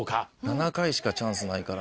「７回しかチャンスないからな」